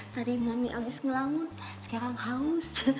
tadi mami abis ngelamun sekarang haus